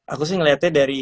aku sih ngeliatnya dari